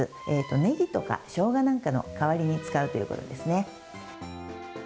ねぎとかしょうがなんかの代わりに使うということですね。